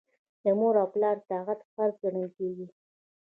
د مور او پلار اطاعت فرض ګڼل کیږي.